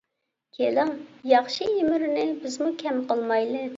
كېلىڭ، ياخشى ئىمىرنى بىزمۇ كەم قىلمايلى.